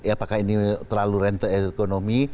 apakah ini terlalu rente ekonomi